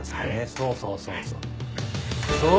そうそうそうそう。